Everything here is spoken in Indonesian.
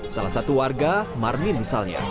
salah satu warga marmin misalnya